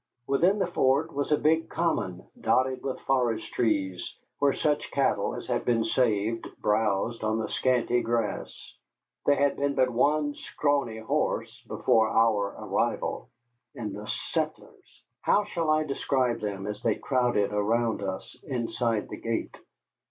Within the fort was a big common dotted with forest trees, where such cattle as had been saved browsed on the scanty grass. There had been but the one scrawny horse before our arrival. And the settlers! How shall I describe them as they crowded around us inside the gate?